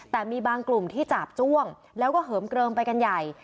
แต่มีบางกลุ่มที่จาบจ้วงแล้วก็เหิมเกลิมไปกันใหญ่